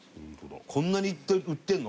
こんなに売ってるの？